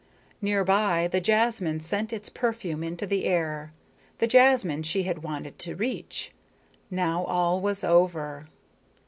Nearby, the jasmine sent its perfume into the air the jasmine she had wanted to reach. Now all was over.